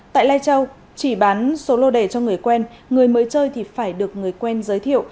tại lai châu chỉ bán số lô đề cho người quen người mới chơi thì phải được người quen giới thiệu